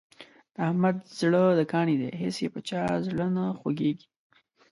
د احمد زړه د کاڼي دی هېڅ یې په چا زړه نه خوږېږي.